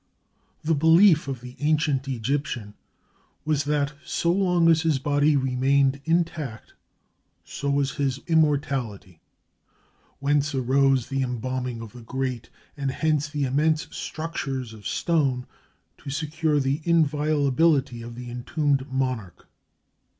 The belief of the ancient Egyptian was that so long as his body remained intact so was his immortality; whence arose the embalming of the great, and hence the immense structures of stone to secure the inviolability of the entombed monarch.